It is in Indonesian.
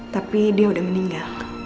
tapi dia udah meninggal